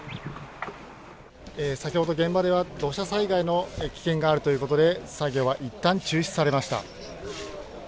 先ほど、現場では土砂災害の危険があるということで、作業はいったん中止されました。